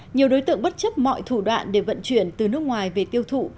nhiều đối tượng bất chấp mọi thủ đoạn để vận chuyển từ nước ngoài về tiêu thụ